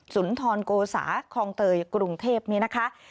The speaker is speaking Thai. สุนทรโกสาคลองเตยกรุงเทพนี้นะคะ